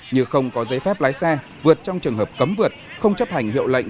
như không có giấy phép lái xe vượt trong trường hợp cấm vượt không chấp hành hiệu lệnh